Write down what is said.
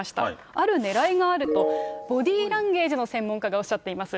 あるねらいがあると、ボディランゲージの専門家がおっしゃっています。